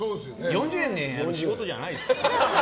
４０年やる仕事じゃないですよ。